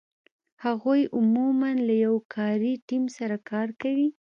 هغوی عمومآ له یو کاري ټیم سره کار کوي.